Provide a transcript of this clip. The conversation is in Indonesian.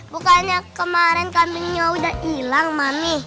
bukannya kemarin kambingnya udah hilang manih